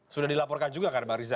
sudah dilaporkan juga kan bang rija ya